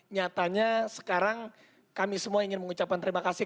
nyatanya sekarang kami semua ingin mengucapkan terima kasih